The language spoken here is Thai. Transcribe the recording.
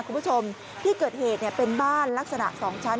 คุณผู้ชมที่เกิดเหตุเป็นบ้านลักษณะ๒ชั้น